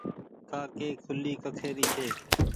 ڪآ ڪي کوُلي ڪکي ري ڇي